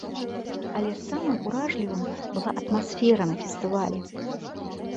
Але самым уражлівым была атмасфера на фестывалі.